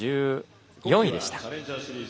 １４位でした。